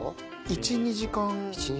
１２時間。